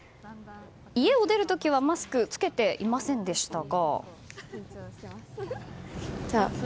家を出るときはマスク、着けていませんでしたが。